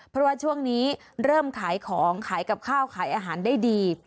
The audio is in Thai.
เพราะว่าช่วงนี้เริ่มขายของขายกับข้าวขายอาหารได้ดี